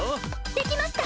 できました！